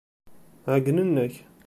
Ɛeyynen-ak.